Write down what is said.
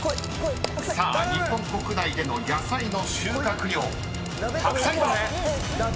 ［さあ日本国内での野菜の収穫量白菜は⁉］